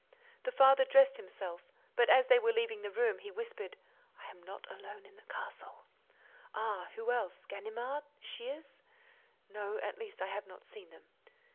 The father dressed himself, but, as they were leaving the room, he whispered: "I am not alone in the castle—" "Ah? Who else? Ganimard? Shears?" "No—at least, I have not seen them."